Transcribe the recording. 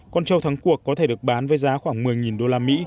con châu thắng cuộc có thể được bán với giá khoảng một mươi usd